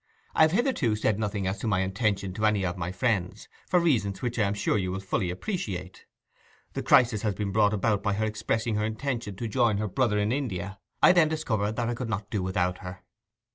I have hitherto said nothing as to my intention to any of my friends, for reasons which I am sure you will fully appreciate. The crisis has been brought about by her expressing her intention to join her brother in India. I then discovered that I could not do without her.